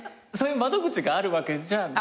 そういう窓口があるわけじゃ？